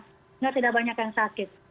sehingga tidak banyak yang sakit